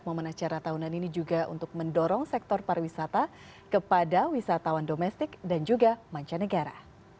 momen acara tahunan ini juga untuk mendorong sektor pariwisata kepada wisatawan domestik dan juga mancanegara